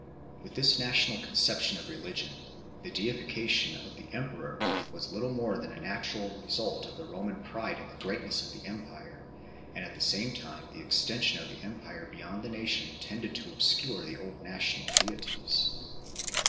With this national conception of religion, the deification of the emperor was little more than a natural result of the Roman pride in the greatness of the empire; and at the same time the extension of the empire beyond the nation tended to obscure the old national deities.